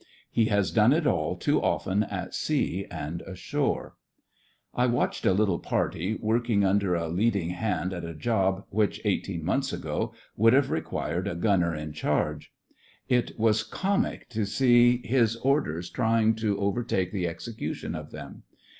He has done it all too often at sea and ashore. I watched a little party working under a leading hand at a job which, eighteen months ago, would have I THE FRINGES OF THE FLEET 105 required a Gunner In charge. It was comic to see his orders trying to over take the execution of them.